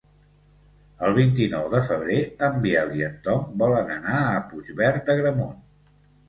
El vint-i-nou de febrer en Biel i en Tom volen anar a Puigverd d'Agramunt.